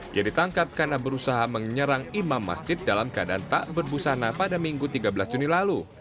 dia ditangkap karena berusaha menyerang imam masjid dalam keadaan tak berbusana pada minggu tiga belas juni lalu